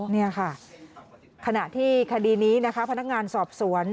นี่ค่ะขณะที่คดีนี้นะคะพนักงานสอบสวน